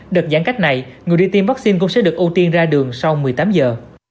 đợt giãn cách này người đi tiêm vaccine cũng sẽ được ưu tiên ra đường sau một mươi tám giờ